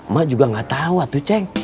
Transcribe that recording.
mak juga nggak tahu tuh ceng